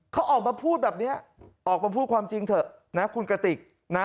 เขาออกมาพูดแบบนี้ออกมาพูดความจริงเถอะนะคุณกระติกนะ